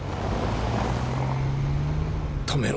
止めろ。